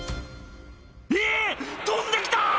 「えぇ飛んで来た！